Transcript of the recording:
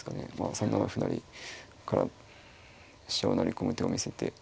３七歩成から飛車を成り込む手を見せて。